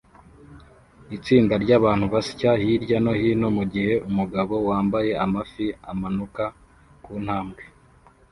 Itsinda ryabantu basya hirya no hino mugihe umugabo wambaye amafi amanuka kuntambwe